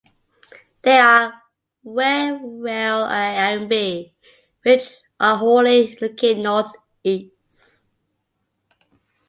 They are Whewell A and B which are wholly located northeast.